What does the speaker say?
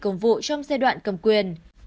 cùng vụ trong giai đoạn này